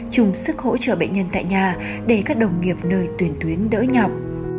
chung sức hỗ trợ bệnh nhân tại nhà để các đồng nghiệp nơi tuyến đỡ nhọc